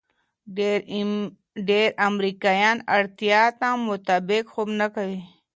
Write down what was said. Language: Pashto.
ډېر امریکایان اړتیا ته مطابق خوب نه کوي.